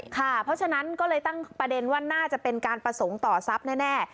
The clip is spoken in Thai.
เพราะฉะนั้นก็เลยตั้งประเด็นว่าน่าจะเป็นการประสงค์ต่อทรัพย์แน่